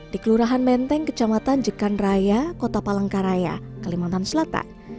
di kelurahan menteng kecamatan jekan raya kota palangkaraya kalimantan selatan